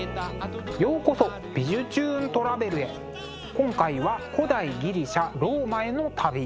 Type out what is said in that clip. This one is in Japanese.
今回は古代ギリシャ・ローマへの旅。